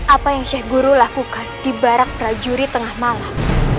apa yang sheikh guru lakukan di barak prajurit tengah malam